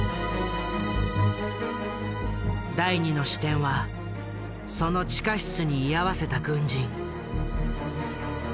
第２の視点はその地下室に居合わせた軍人。